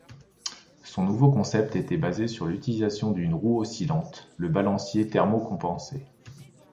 Son nouveau concept était basé sur l'utilisation d'une roue oscillante, le balancier thermo-compensé.